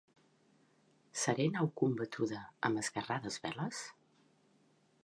Seré nau combatuda amb esguerrades veles?